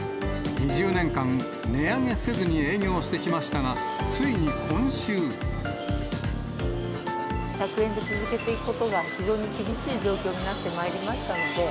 ２０年間、値上げせずに営業して１００円で続けていくことが、非常に厳しい状況になってまいりましたので、